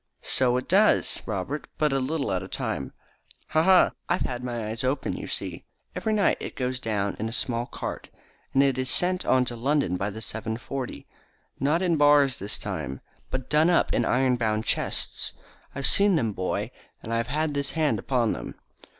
"So it does, Robert, but a little at a time. Ha, ha! I've had my eyes open, you see. Every night it goes down in a small cart, and is sent on to London by the 7.40. Not in bars this time, but done up in iron bound chests. I've seen them, boy, and I've had this hand upon them."